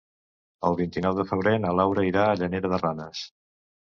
El vint-i-nou de febrer na Laura irà a Llanera de Ranes.